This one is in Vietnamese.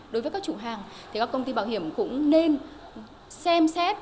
đối với các chủ hàng thì các công ty bảo hiểm cũng nên xem xét